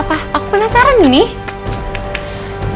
apa aku pernah pilih kartu keberuntungan bima sama chelsea